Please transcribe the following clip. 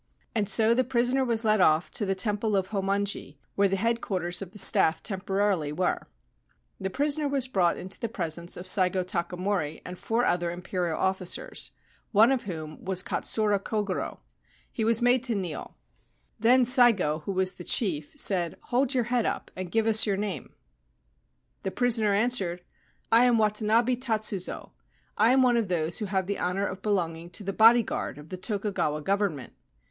And so the prisoner was led off to the Temple of Hommonji, where the Headquarters of the Staff temporarily were. The prisoner was brought into the presence of Saigo Takamori and four other Imperial officers, one of whom was Katsura Kogoro. He was made to kneel. Then Saigo, who was the Chief, said, ' Hold your head up and give us your name/ 227 Ancient Tales and Folklore of Japan The prisoner answered : 4 1 am Watanabe Tatsuzo. I am one of those who have the honour of belonging to the bodyguard of the Tokugawa Government.'